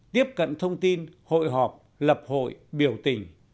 tiếp cận thông tin hội họp lập hội biểu tình